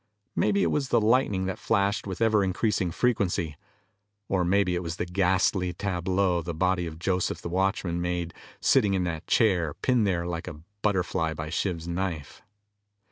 Maybe it was the lightning that flashed with ever increasing frequency. Or maybe it was the ghastly tableau the body of Joseph, the watchman, made, sitting in that chair, pinned there like a butterfly by Shiv's knife.